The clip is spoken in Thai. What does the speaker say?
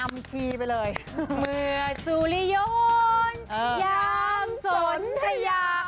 เมื่อสุริยนต์ยามสนทะยา